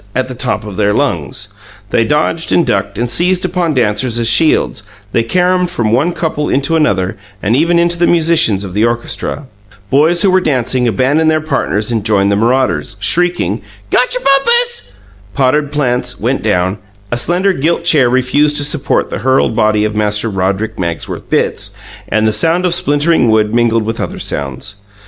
at the top of their lungs. They dodged and ducked, and seized upon dancers as shields; they caromed from one couple into another, and even into the musicians of the orchestra. Boys who were dancing abandoned their partners and joined the marauders, shrieking, "Gotcher bumpus!" Potted plants went down; a slender gilt chair refused to support the hurled body of Master Roderick Magsworth Bitts, and the sound of splintering wood mingled with other sounds.